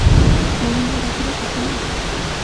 মহেন্দ্র ডাকিল, কাকীমা!